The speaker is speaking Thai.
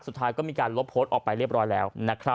สุดท้ายก็มีการลบโพสต์ออกไปเรียบร้อยแล้ว